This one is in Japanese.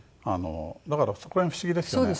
だからそこら辺不思議ですよね。